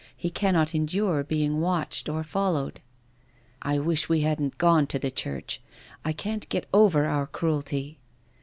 He cannot endure being watched or followed." " I wish we hadn't gone to the church. I can't get over our cruelty."